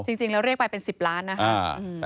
จริงแล้วเรียกไปเป็น๑๐ล้านนะครับ